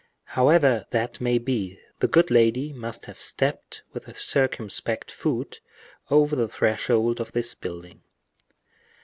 However that may be, the good lady must have stepped with a circumspect foot over the threshold of this building.